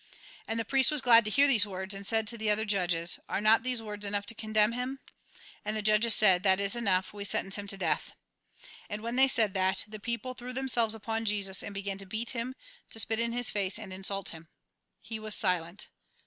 And the priest was glad to hear these words, and said to the other judges :" Are not these words enough to condemn him ?" And the judges said: " That is enough ; we sentence him to death." And when they said that, the people threw themselves upon Jesus, and began to beat him, to spit in his face, and insult him. He was silent.